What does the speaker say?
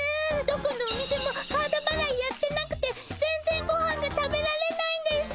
どこのお店もカードばらいやってなくて全然ごはんが食べられないんです。